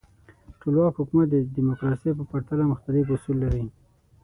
ټولواک حکومت د دموکراسۍ په پرتله مختلف اصول لري.